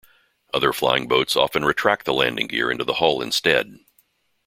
Other flying boats often retract the landing gear into the hull instead.